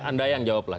anda yang jawab lah